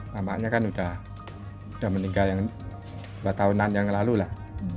mamaknya kan sudah meninggal yang dua tahunan yang lalu lah